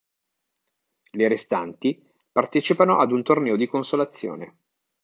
Le restanti partecipano ad un torneo di consolazione